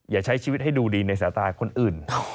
อย่าใช้ชีวิตให้ดูดีในสายตาคนอื่น